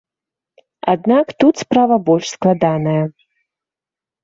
Аднак тут справа больш складаная.